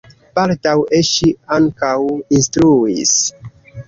Baldaŭe ŝi ankaŭ instruis.